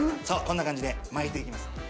そう、こんな感じで巻いていきます。